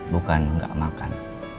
bukan gak makan